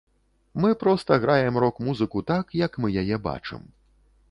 Мы проста граем рок-музыку так, як мы яе бачым.